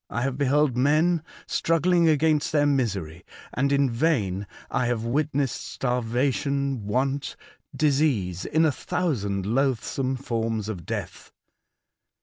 85 have beheld men struggling against their misery, and in vain ; I have witnessed starva tion, want, disease in a thousand loathsome forms of death.